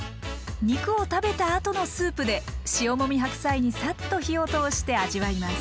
肉を食べたあとのスープで塩もみ白菜にサッと火を通して味わいます。